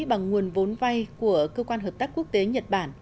bằng nguồn vốn vay của cơ quan hợp tác quốc tế nhật bản